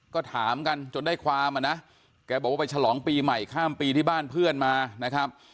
ก็ถามกันจนได้ความอะนะแกบอกว่าไปฉลองปีใหม่ข้ามปีที่บ้านเพื่อนมานะครับ